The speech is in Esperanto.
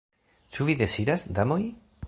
Ĉu vi deziras, damoj?